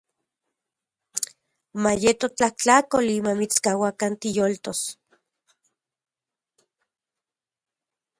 Mayeto tlajtlakoli mamitskauakan tiyoltos.